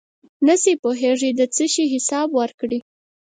نشی پوهېږي د څه شي حساب ورکړي.